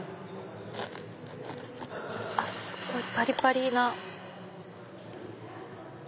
すっごいパリパリな。